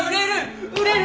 売れる！